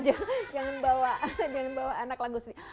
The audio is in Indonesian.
jangan bawa anak lagu sedih